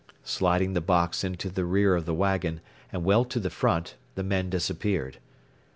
Sliding the box into the rear of the wagon, and well to the front, the men disappeared.